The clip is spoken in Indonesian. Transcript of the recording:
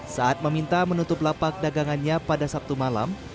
saat meminta menutup lapak dagangannya pada sabtu malam